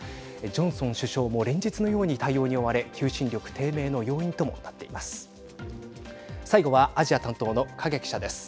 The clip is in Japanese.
ジョンソン首相も連日のように対応に追われ求心力低迷の要因ともなっています。